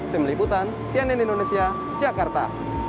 tim liputan cnn indonesia jakarta